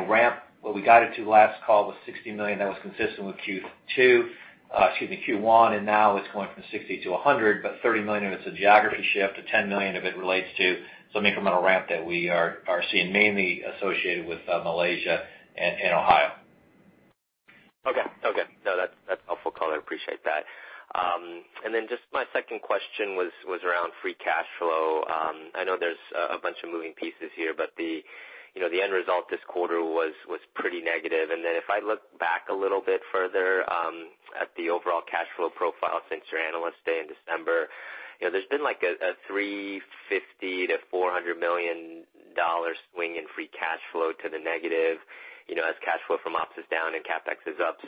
ramp, what we guided to last call was $60 million. That was consistent with Q2, excuse me, Q1, and now it's going from 60 to 100, but $30 million of it's a geography shift, $10 million of it relates to some incremental ramp that we are seeing mainly associated with Malaysia and Ohio. Okay. No, that's helpful color. I appreciate that. Then just my second question was around free cash flow. I know there's a bunch of moving pieces here, the end result this quarter was pretty negative. Then if I look back a little bit further, at the overall cash flow profile since your Analyst Day in December, there's been like a $350 million-$400 million swing in free cash flow to the negative, as cash flow from ops is down and CapEx is up.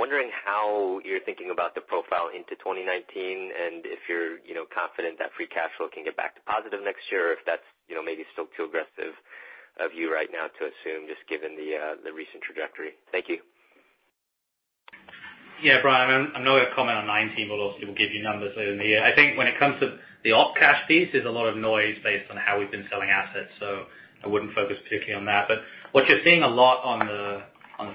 Wondering how you're thinking about the profile into 2019 and if you're confident that free cash flow can get back to positive next year or if that's maybe still too aggressive of you right now to assume, just given the recent trajectory. Thank you. Yeah. Brian, I'm not going to comment on 2019, obviously we'll give you numbers later in the year. I think when it comes to the op cash piece, there's a lot of noise based on how we've been selling assets, I wouldn't focus particularly on that. What you're seeing a lot on the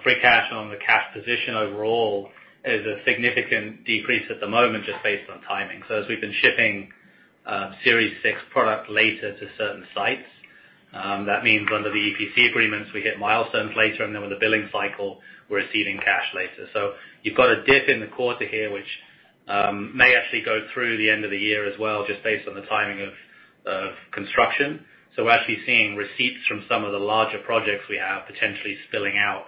free cash and on the cash position overall is a significant decrease at the moment, just based on timing. As we've been shipping Series 6 product later to certain sites, that means under the EPC agreements, we hit milestones later, then with the billing cycle, we're receiving cash later. You've got a dip in the quarter here, which may actually go through the end of the year as well, just based on the timing of construction. We're actually seeing receipts from some of the larger projects we have potentially spilling out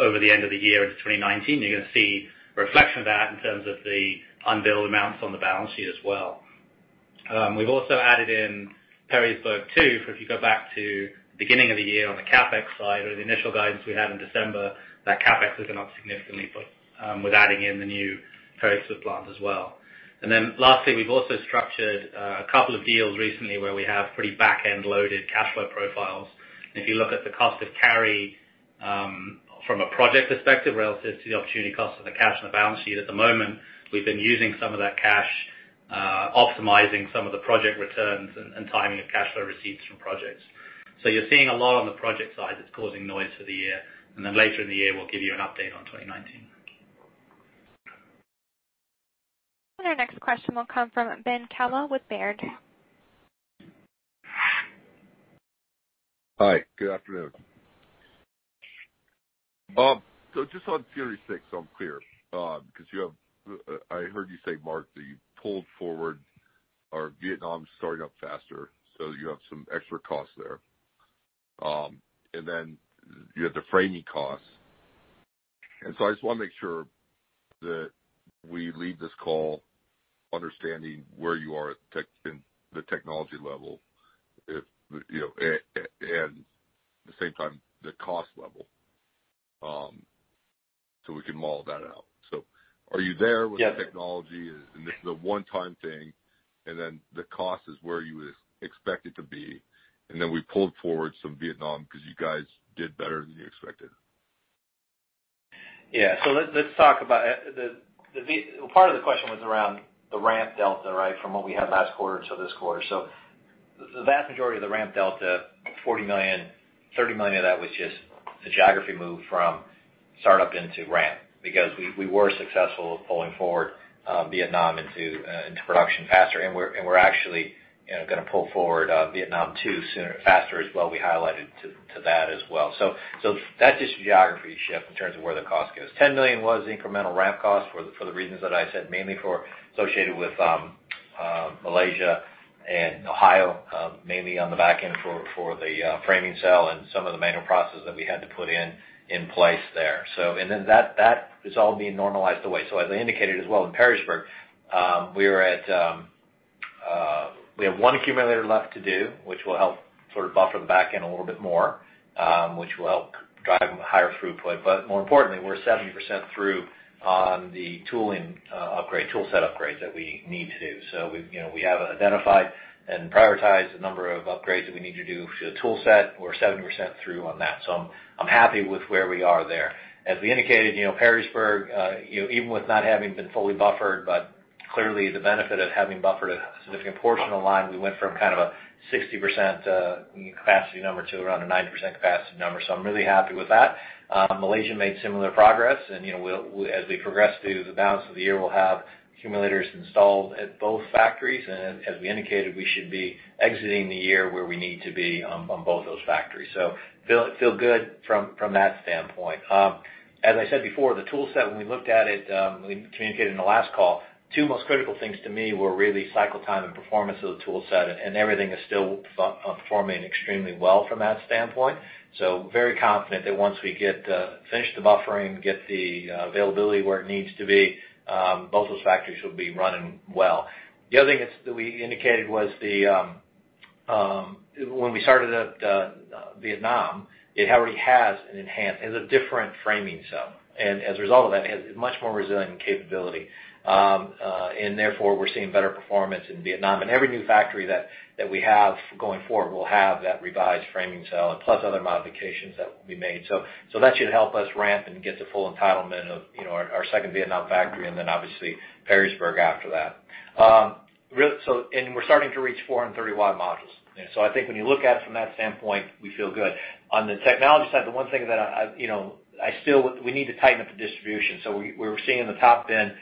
over the end of the year into 2019. You're going to see a reflection of that in terms of the unbilled amounts on the balance sheet as well. We've also added in Perrysburg too. If you go back to the beginning of the year on the CapEx side or the initial guidance we had in December, that CapEx has gone up significantly with adding in the new Perrysburg plant as well. Then lastly, we've also structured a couple of deals recently where we have pretty back-end loaded cash flow profiles. If you look at the cost of carry from a project perspective relative to the opportunity cost of the cash on the balance sheet at the moment, we've been using some of that cash, optimizing some of the project returns and timing of cash flow receipts from projects. You're seeing a lot on the project side that's causing noise for the year. Then later in the year, we'll give you an update on 2019. Our next question will come from Ben Kallo with Baird. Hi, good afternoon. Just on Series 6, I'm clear, because I heard you say, Mark, that you pulled forward or Vietnam's starting up faster, you have some extra costs there. Then you have the framing costs. I just want to make sure that we leave this call understanding where you are in the technology level. At the same time, the cost level, we can model that out. Are you there with the technology? Yes. This is a one-time thing, then the cost is where you expect it to be, then we pulled forward some Vietnam because you guys did better than you expected. Yeah. Let's talk about that. Part of the question was around the ramp delta from what we had last quarter to this quarter. The vast majority of the ramp delta, $40 million, $30 million of that was just the geography move from start-up into ramp because we were successful at pulling forward Vietnam into production faster. We're actually going to pull forward Vietnam 2 sooner and faster as well. We highlighted to that as well. That's just a geography shift in terms of where the cost goes. $10 million was incremental ramp cost for the reasons that I said, mainly associated with Malaysia and Ohio, mainly on the back end for the framing cell and some of the manual processes that we had to put in place there. That is all being normalized away. As I indicated as well, in Perrysburg, we have one accumulator left to do, which will help sort of buffer the back end a little bit more, which will help drive higher throughput. More importantly, we're 70% through on the tooling upgrade, tool set upgrades that we need to do. We have identified and prioritized a number of upgrades that we need to do to the tool set. We're 70% through on that. I'm happy with where we are there. As we indicated, Perrysburg, even with not having been fully buffered, but clearly the benefit of having buffered a significant portion of the line, we went from kind of a 60% capacity number to around a 90% capacity number. I'm really happy with that. Malaysia made similar progress, as we progress through the balance of the year, we'll have accumulators installed at both factories. As we indicated, we should be exiting the year where we need to be on both those factories. Feel good from that standpoint. As I said before, the tool set, when we looked at it, we communicated in the last call, two most critical things to me were really cycle time and performance of the tool set, and everything is still performing extremely well from that standpoint. Very confident that once we finish the buffering, get the availability where it needs to be, both those factories will be running well. The other thing that we indicated was when we started up Vietnam, it already has an enhanced. It has a different framing cell, and as a result of that, it has much more resilient capability. Therefore, we're seeing better performance in Vietnam. Every new factory that we have going forward will have that revised framing cell, plus other modifications that will be made. That should help us ramp and get to full entitlement of our second Vietnam factory, then obviously Perrysburg after that. We're starting to reach 430-watt modules. I think when you look at it from that standpoint, we feel good. On the technology side, the one thing that we need to tighten up the distribution. We're seeing the top bin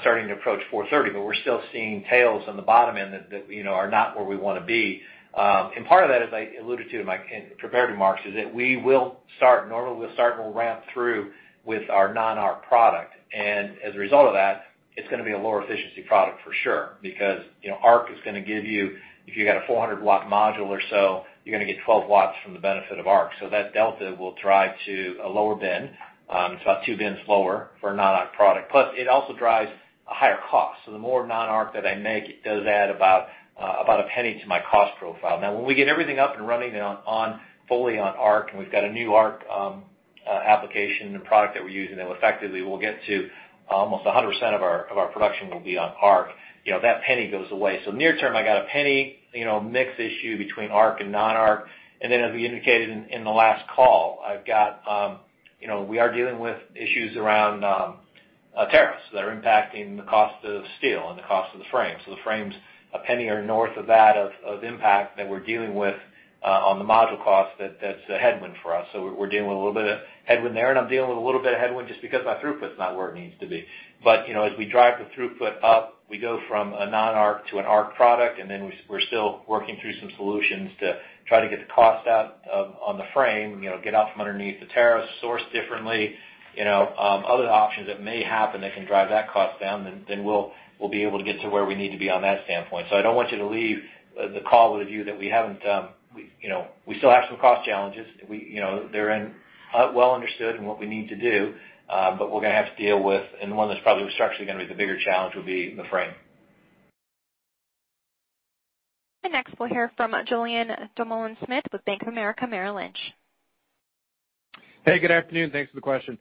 starting to approach 430, but we're still seeing tails on the bottom end that are not where we want to be. Part of that, as I alluded to in my prepared remarks, is that we will start, normally we'll start and we'll ramp through with our non-ARC product. As a result of that, it's going to be a lower efficiency product for sure, because ARC is going to give you, if you got a 400-watt module or so, you're going to get 12 watts from the benefit of ARC. That delta will drive to a lower bin. It's about two bins lower for a non-ARC product. It also drives a higher cost. The more non-ARC that I make, it does add about $0.01 to my cost profile. When we get everything up and running fully on ARC, and we've got a new ARC application and product that we're using that will effectively will get to almost 100% of our production will be on ARC, that $0.01 goes away. Near term, I got a $0.01, mix issue between ARC and non-ARC. As we indicated in the last call, we are dealing with issues around tariffs that are impacting the cost of steel and the cost of the frame. The frame's $0.01 or north of that of impact that we're dealing with on the module cost. That's a headwind for us. We're dealing with a little bit of headwind there, and I'm dealing with a little bit of headwind just because my throughput's not where it needs to be. As we drive the throughput up, we go from a non-ARC to an ARC product, and then we're still working through some solutions to try to get the cost out on the frame, get out from underneath the tariff, source differently, other options that may happen that can drive that cost down, then we'll be able to get to where we need to be on that standpoint. I don't want you to leave the call with a view that we still have some cost challenges. They're well understood in what we need to do. We're going to have to deal with, and the one that's probably structurally going to be the bigger challenge would be the frame. Next, we'll hear from Julien Dumoulin-Smith with Bank of America Merrill Lynch. Hey, good afternoon. Thanks for the question.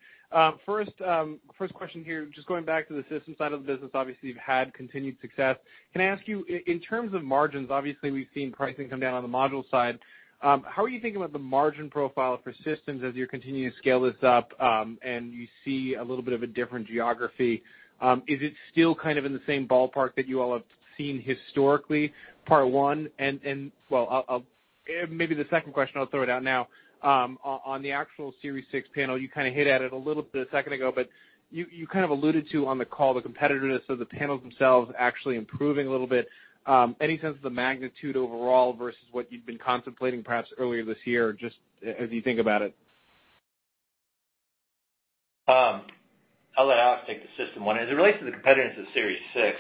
First question here, just going back to the systems side of the business. Obviously, you've had continued success. Can I ask you, in terms of margins, obviously, we've seen pricing come down on the module side. How are you thinking about the margin profile for systems as you're continuing to scale this up and you see a little bit of a different geography? Is it still kind of in the same ballpark that you all have seen historically, part one? Maybe the second question I'll throw it out now. On the actual Series 6 panel, you kind of hit at it a little bit a second ago, but you kind of alluded to on the call the competitiveness of the panels themselves actually improving a little bit. Any sense of the magnitude overall versus what you've been contemplating perhaps earlier this year, just as you think about it? I'll let Alex take the system one. As it relates to the competitiveness of Series 6,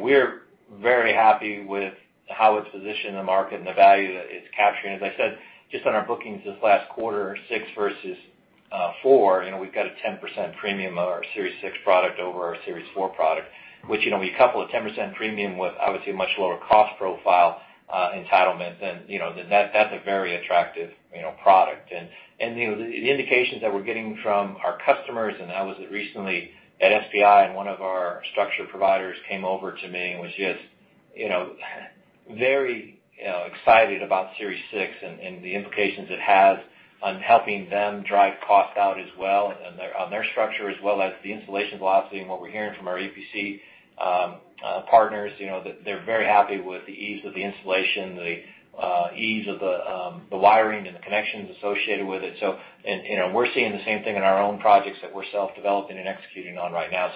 we're very happy with how it's positioned in the market and the value that it's capturing. As I said, just on our bookings this last quarter, Series 6 versus Series 4, we've got a 10% premium of our Series 6 product over our Series 4 product, which when you couple a 10% premium with obviously a much lower cost profile entitlement then that's a very attractive product. The indications that we're getting from our customers, I was at recently at SPI, and one of our structure providers came over to me and was just very excited about Series 6 and the implications it has on helping them drive cost out as well on their structure, as well as the installation velocity and what we're hearing from our EPC partners. They're very happy with the ease of the installation, the ease of the wiring and the connections associated with it. We're seeing the same thing in our own projects that we're self-developing and executing on right now.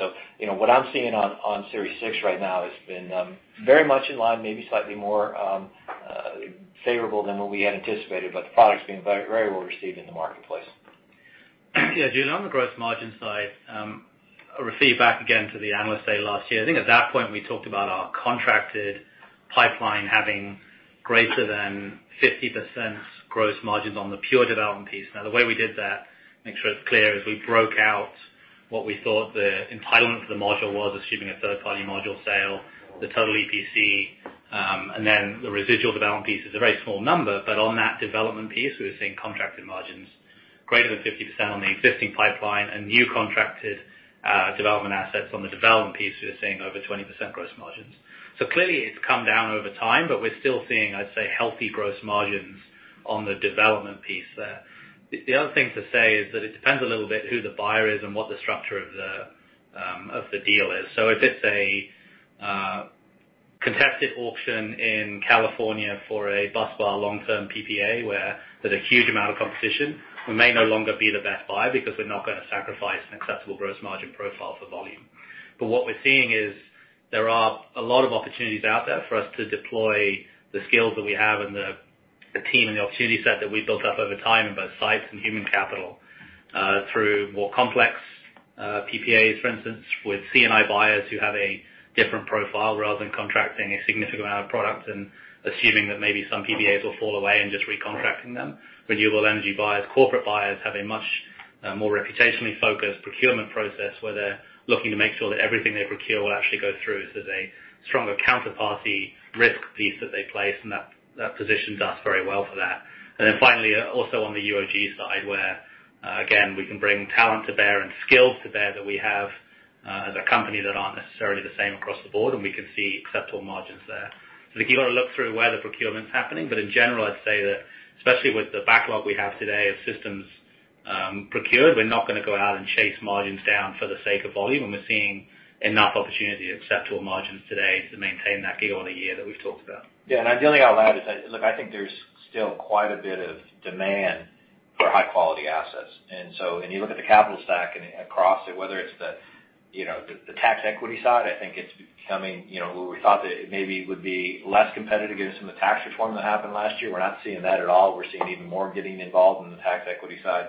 What I'm seeing on Series 6 right now has been very much in line, maybe slightly more favorable than what we had anticipated, but the product's been very well received in the marketplace. Yeah, Julien, on the gross margin side, I'll refer you back again to the Analyst Day last year. I think at that point, we talked about our contracted pipeline having greater than 50% gross margins on the pure development piece. Now, the way we did that, make sure it's clear, is we broke out what we thought the entitlement for the module was, assuming a third-party module sale, the total EPC, and then the residual development piece is a very small number. But on that development piece, we were seeing contracted margins greater than 50% on the existing pipeline and new contracted development assets. On the development piece, we were seeing over 20% gross margins. Clearly, it's come down over time, but we're still seeing, I'd say, healthy gross margins on the development piece there. The other thing to say is that it depends a little bit who the buyer is and what the structure of the deal is. If it's a contested auction in California for a busbar long-term PPA, where there's a huge amount of competition. We may no longer be the best buy because we're not going to sacrifice an acceptable gross margin profile for volume. What we're seeing is there are a lot of opportunities out there for us to deploy the skills that we have and the team and the opportunity set that we've built up over time in both sites and human capital, through more complex PPAs, for instance, with C&I buyers who have a different profile rather than contracting a significant amount of product and assuming that maybe some PPAs will fall away and just recontracting them. Renewable energy buyers, corporate buyers, have a much more reputationally focused procurement process where they're looking to make sure that everything they procure will actually go through. There's a stronger counterparty risk piece that they place, and that positions us very well for that. Then finally, also on the UOG side, where again, we can bring talent to bear and skills to bear that we have as a company that aren't necessarily the same across the board, and we can see acceptable margins there. I think you got to look through where the procurement's happening. In general, I'd say that especially with the backlog we have today of systems procured, we're not going to go out and chase margins down for the sake of volume. We're seeing enough opportunity at acceptable margins today to maintain that gig on a year that we've talked about. Yeah, the only thing I'll add is that, look, I think there's still quite a bit of demand for high-quality assets. You look at the capital stack and across it, whether it's the tax equity side, I think we thought that maybe it would be less competitive given some of the tax reform that happened last year. We're not seeing that at all. We're seeing even more getting involved in the tax equity side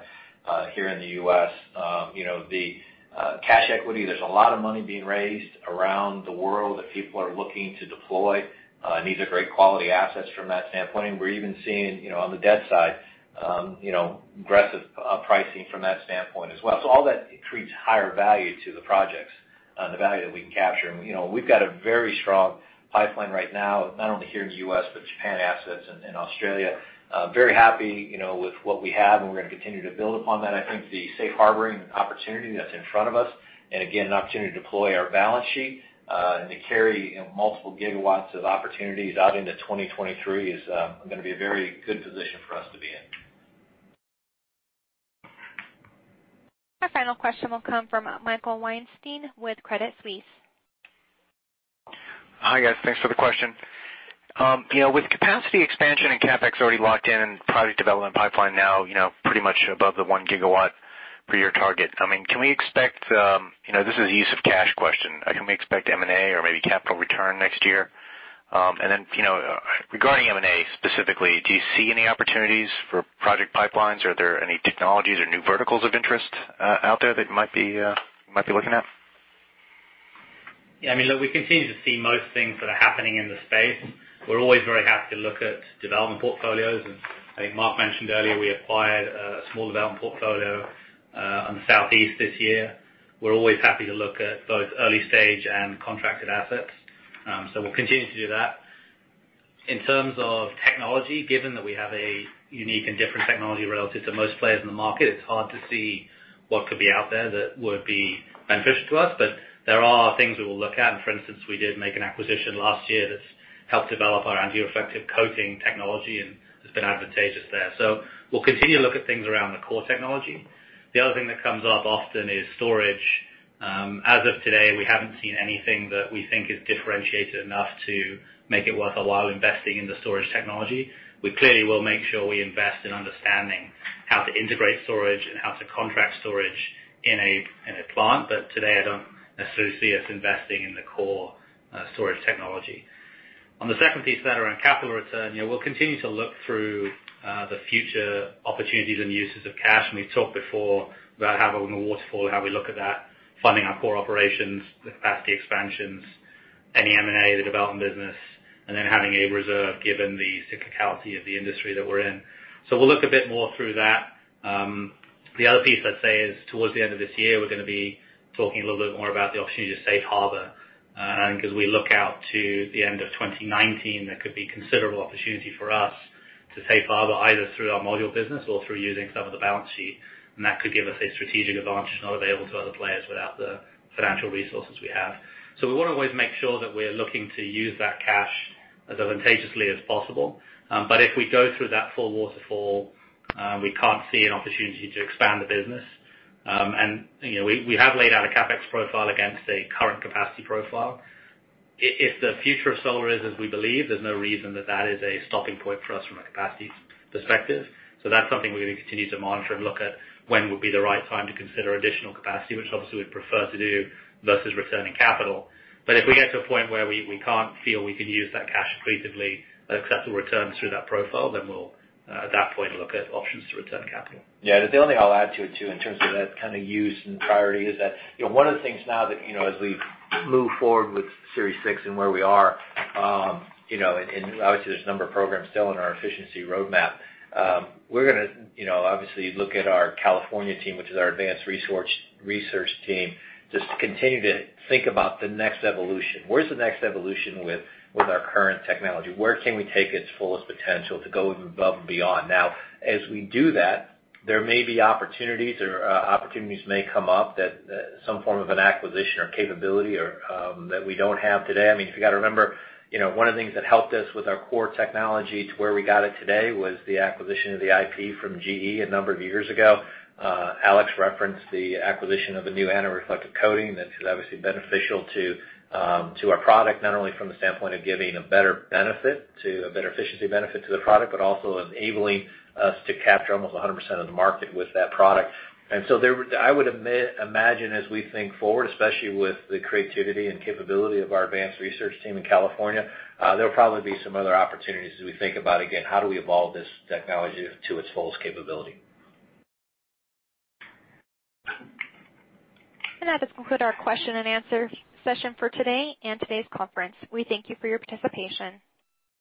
here in the U.S. The cash equity, there's a lot of money being raised around the world that people are looking to deploy. These are great quality assets from that standpoint. We're even seeing on the debt side aggressive pricing from that standpoint as well. All that creates higher value to the projects and the value that we can capture. We've got a very strong pipeline right now, not only here in the U.S., but Japan assets and Australia. Very happy with what we have, and we're going to continue to build upon that. I think the safe harboring opportunity that's in front of us, and again, an opportunity to deploy our balance sheet and to carry multiple gigawatts of opportunities out into 2023 is going to be a very good position for us to be in. Our final question will come from Michael Weinstein with Credit Suisse. Hi, guys. Thanks for the question. With capacity expansion and CapEx already locked in and project development pipeline now pretty much above the 1 gigawatt per year target, this is a use of cash question. Can we expect M&A or maybe capital return next year? Regarding M&A specifically, do you see any opportunities for project pipelines? Are there any technologies or new verticals of interest out there that you might be looking at? We continue to see most things that are happening in the space. We're always very happy to look at development portfolios. I think Mark mentioned earlier, we acquired a small development portfolio on the Southeast this year. We're always happy to look at both early-stage and contracted assets. We'll continue to do that. In terms of technology, given that we have a unique and different technology relative to most players in the market, it's hard to see what could be out there that would be beneficial to us. There are things we will look at. For instance, we did make an acquisition last year that's helped develop our antireflective coating technology, and it's been advantageous there. We'll continue to look at things around the core technology. The other thing that comes up often is storage. As of today, we haven't seen anything that we think is differentiated enough to make it worth our while investing in the storage technology. We clearly will make sure we invest in understanding how to integrate storage and how to contract storage in a plant. Today, I don't necessarily see us investing in the core storage technology. On the second piece of that around capital return, we'll continue to look through the future opportunities and uses of cash. We talked before about having a waterfall and how we look at that, funding our core operations, the capacity expansions, any M&A of the development business, and then having a reserve, given the cyclicality of the industry that we're in. We'll look a bit more through that. The other piece, I'd say, is towards the end of this year, we're going to be talking a little bit more about the opportunity of safe harbor. Because we look out to the end of 2019, there could be considerable opportunity for us to safe harbor, either through our module business or through using some of the balance sheet. That could give us a strategic advantage not available to other players without the financial resources we have. We want to always make sure that we're looking to use that cash as advantageously as possible. If we go through that full waterfall, we can't see an opportunity to expand the business. We have laid out a CapEx profile against a current capacity profile. If the future of solar is as we believe, there's no reason that that is a stopping point for us from a capacity perspective. That's something we're going to continue to monitor and look at when would be the right time to consider additional capacity, which obviously we'd prefer to do versus returning capital. If we get to a point where we can't feel we can use that cash creatively at acceptable returns through that profile, we'll at that point look at options to return capital. Yeah. The only thing I'll add to it too, in terms of that kind of use and priority is that one of the things now that as we move forward with Series 6 and where we are, and obviously there's a number of programs still in our efficiency roadmap, we're going to obviously look at our California team, which is our advanced research team, just to continue to think about the next evolution. Where's the next evolution with our current technology? Where can we take its fullest potential to go above and beyond? As we do that, there may be opportunities or opportunities may come up that some form of an acquisition or capability that we don't have today. You got to remember, one of the things that helped us with our core technology to where we got it today was the acquisition of the IP from GE a number of years ago. Alex referenced the acquisition of a new antireflective coating that is obviously beneficial to our product, not only from the standpoint of giving a better efficiency benefit to the product, but also enabling us to capture almost 100% of the market with that product. I would imagine as we think forward, especially with the creativity and capability of our advanced research team in California, there will probably be some other opportunities as we think about, again, how do we evolve this technology to its fullest capability. That does conclude our question and answer session for today and today's conference. We thank you for your participation.